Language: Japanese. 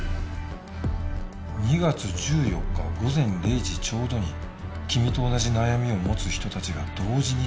「２月１４日午前零時丁度に君と同じ悩みを持つ人たちが同時に旅立つ」